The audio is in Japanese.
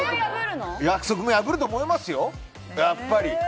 破ると思いますよ、やっぱり。